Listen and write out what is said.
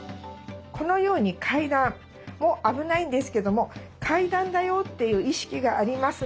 このように階段も危ないんですけども階段だよっていう意識がありますので。